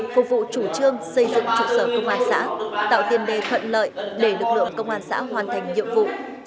phục vụ chủ trương xây dựng trụ sở công an xã tạo tiền đề thuận lợi để lực lượng công an xã hoàn thành nhiệm vụ